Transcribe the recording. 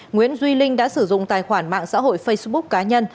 nguyễn duy linh đã sử dụng tài khoản mạng xã hội facebook cá nhân